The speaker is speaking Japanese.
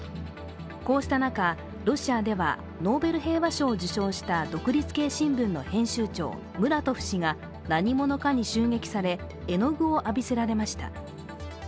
こうした中、ロシアではノーベル平和賞を受賞した独立系新聞の編集長ムラトフ氏が何者かに襲撃され、絵の具を浴びせられました。